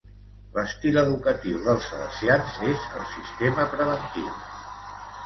L'estil educatiu dels salesians es el sistema preventiu